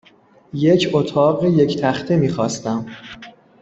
یک اتاق یک تخته میخواستم.